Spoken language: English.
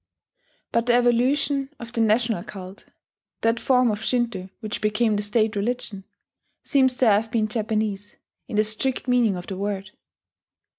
But the evolution of the national cult that form of Shinto which became the state religion seems to have been Japanese, in the strict meaning of the word.